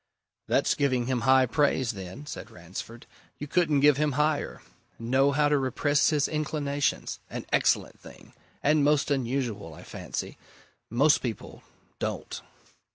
"That's giving him high praise, then," said Ransford. "You couldn't give him higher! Know how to repress his inclinations. An excellent thing and most unusual, I fancy. Most people don't!"